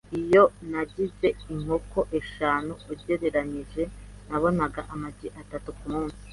Iyo nagize inkoko eshanu, ugereranije nabonaga amagi atatu kumunsi .